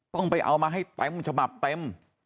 ต้องไปเอามาให้เต็มฉบับเต็ม